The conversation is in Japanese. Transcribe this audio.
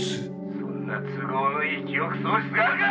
「そんな都合のいい記憶喪失があるか！」